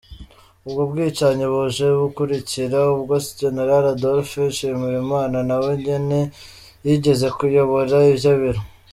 Ubwo bwicanyi buje bukurikira ubwa general Adolphe Nshimirimana, nawe nyene yigeze kuyobora ivyo biro.